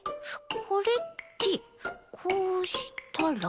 これってこうしたら。